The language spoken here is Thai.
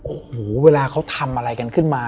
โอ้โหเวลาเขาทำอะไรกันขึ้นมา